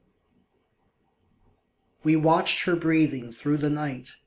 ] We watch'd her breathing through the night.